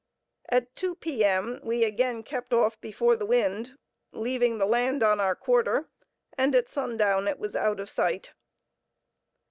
At two P.M., we again kept off before the wind, leaving the land on our quarter, and at sundown it was out of sight.